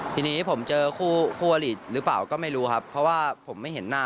ทีนี้ผมเจอคู่คู่อลิหรือเปล่าก็ไม่รู้ครับเพราะว่าผมไม่เห็นหน้า